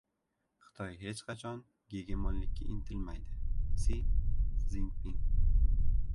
Xitoy hech qachon gegemonlikka intilmaydi — Si Szinpin